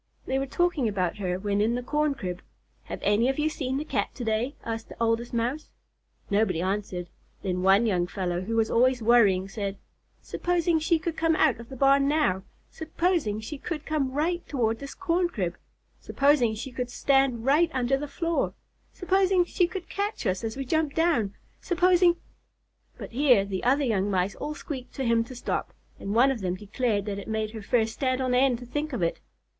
They were talking about her when in the corn crib. "Have any of you seen the Cat to day?" asked the Oldest Mouse. Nobody answered. Then one young fellow, who was always worrying, said: "Supposing she should come out of the barn now! Supposing she should come right toward this corn crib! Supposing she should stand right under the floor! Supposing she should catch us as we jumped down! Supposing " But here the other young Mice all squeaked to him to stop, and one of them declared that it made her fur stand on end to think of it.